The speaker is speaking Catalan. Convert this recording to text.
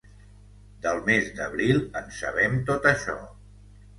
Del mes d’abril, en sabem tot això.